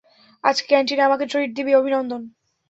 আজকে ক্যান্টিনে আমাকে ট্রিট দিবি -অভিনন্দন!